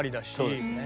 そうですね。